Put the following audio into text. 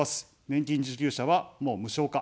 年金受給者は、もう無償化。